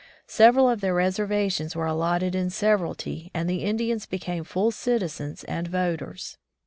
Several of their reservations were allotted in severalty and the Indians became full citizens and voters.